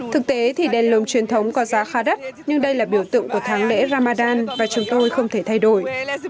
thực tế thì đèn lồng truyền thống có giá khá đắt nhưng đây là biểu tượng của tháng lễ ramadan và chúng tôi không thể thay đổi